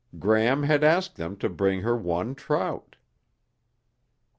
Gram had asked them to bring her one trout.